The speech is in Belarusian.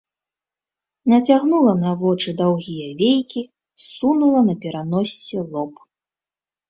Нацягнула на вочы даўгія вейкі, ссунула на пераноссе лоб.